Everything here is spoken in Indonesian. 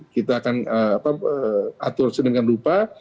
kita akan atur sedemikian rupa